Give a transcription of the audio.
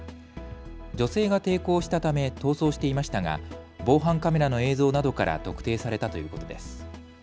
女性が抵抗したため逃走していましたが、防犯カメラの映像などから特定されたということです。